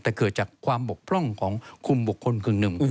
แต่เกิดจากความบกพร่องของคุมบกคนคืนนึง